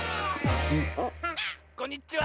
こんにちは！